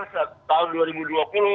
dki peninggung selalu menganggarkan